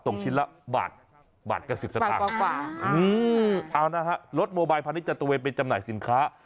ตรงชิ้นละบาทบาทกว่ากว่าอืมเอานะฮะรถโมบายพาณิชย์จะตัวเองไปจำหน่ายสินค้า